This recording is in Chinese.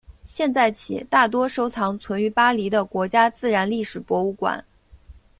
现在起大多数收藏存于巴黎的国家自然历史博物馆。